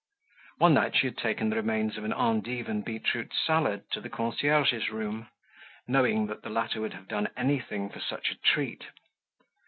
One night she had taken the remains of an endive and beetroot salad to the concierge's room, knowing that the latter would have done anything for such a treat.